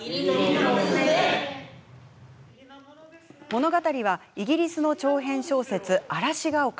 物語はイギリスの長編小説「嵐が丘」。